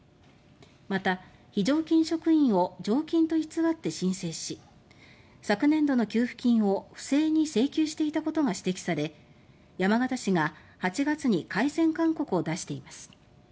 また非常勤職員を常勤と偽って申請し昨年度の給付金を不正に請求していたことが指摘され山形市が８月に改善勧告を出しています。